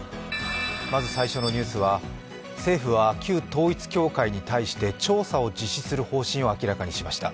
まず最初のニュースは、政府は旧統一教会に対して調査を実施する方針を明らかにしました。